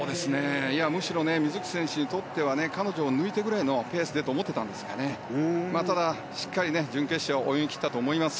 むしろ水口選手にとっては彼女を抜くぐらいのペースでと思っていたと思いますがただ、しっかり準決勝泳ぎ切ったと思います。